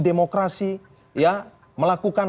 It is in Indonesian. demokrasi ya melakukan